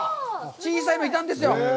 小さいの、いたんですよ！